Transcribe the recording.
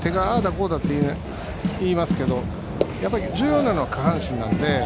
こうだって言いますけど重要なのは下半身なので。